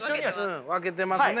分けてますね。